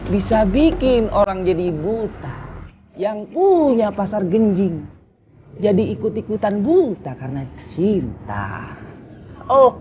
bisa bikin orang jadi buta yang punya pasar genjing jadi ikut ikutan buta karena cinta